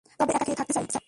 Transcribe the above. তবে একা কে থাকতে চায়?